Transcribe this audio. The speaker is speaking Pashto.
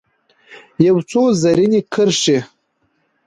یو څو رزیني کرښې